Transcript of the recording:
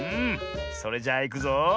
それじゃあいくぞ。